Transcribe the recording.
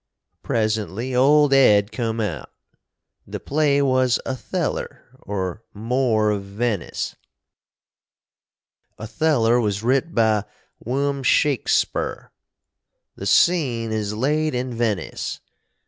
Presently old Ed cum out. The play was Otheller or More of Veniss. Otheller was writ by Wm. Shakspeer. The seene is laid in Veniss.